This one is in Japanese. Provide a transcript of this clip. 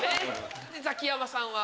ザキヤマさんは？